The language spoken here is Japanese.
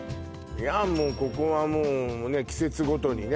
いやもうここはもうね季節ごとにね